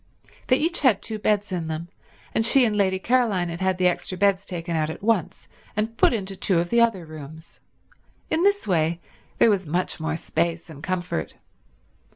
They each had two beds in them, and she and Lady Caroline had had the extra beds taken out at once and put into two of the other rooms. In this way there was much more space and comfort.